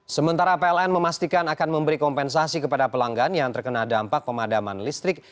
sementara pln memastikan akan memberi kompensasi kepada pelanggan yang terkena dampak pemadaman listrik